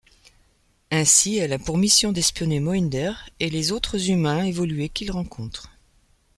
Ainsi, elle a pour mission d'espionner Mohinder et les autres humains évolués qu'il rencontre.